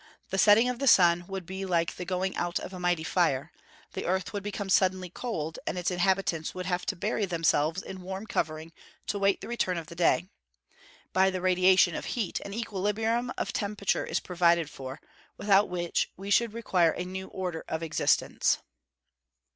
The setting of the sun would be like the going out of a mighty fire. The earth would become suddenly cold, and its inhabitants would have to bury themselves in warm covering, to wait the return of day. By the radiation of heat, an equilibrium of temperature is provided for, without which we should require a new order of existence.